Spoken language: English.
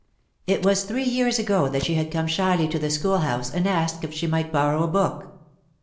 It was three years ago that she had come shyly to the schoolhouse and asked if she might borrow a book.